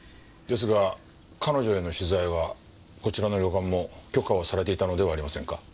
ですが彼女への取材はこちらの旅館も許可をされていたのではありませんか？